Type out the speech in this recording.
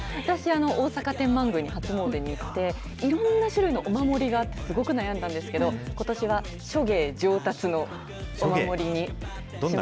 私、大阪天満宮に初詣に行って、いろんな種類のお守りがあってすごく悩んだんですけど、ことしは諸芸上達のお守りに。